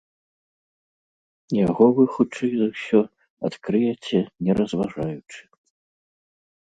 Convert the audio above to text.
Яго вы, хутчэй за ўсё, адкрыеце, не разважаючы.